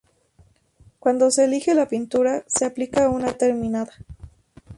Cuando se elige la pintura, se aplica a una pieza ya terminada.